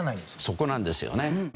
そこなんですよね。